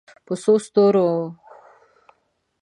په څو ستورو